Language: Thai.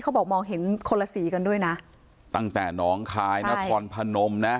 เขาบอกมองเห็นคนละสีกันด้วยนะตั้งแต่น้องคายนครพนมนะ